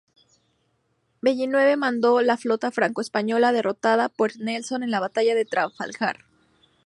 Villeneuve mandó la flota franco-española derrotada por Nelson en la batalla de Trafalgar.